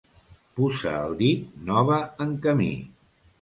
Puça al dit, nova en camí.